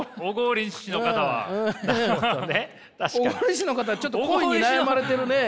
小郡市の方はちょっと恋に悩まれてるね。